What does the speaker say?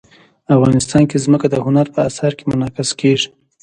افغانستان کې ځمکه د هنر په اثار کې منعکس کېږي.